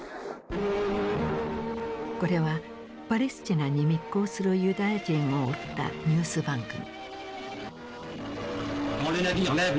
これはパレスチナに密航するユダヤ人を追ったニュース番組。